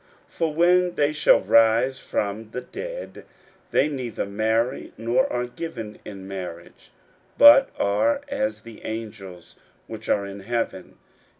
41:012:025 For when they shall rise from the dead, they neither marry, nor are given in marriage; but are as the angels which are in heaven.